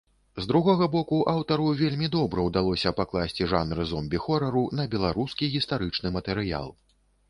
З другога боку, аўтару вельмі добра ўдалося пакласці жанр зомбі-хорару на беларускі гістарычны матэрыял.